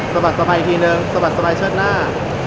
สบัดสบายสบัดสบายเชิญหน้า